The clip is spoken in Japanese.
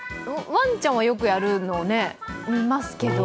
ワンちゃんはよくやるのを見ますけど。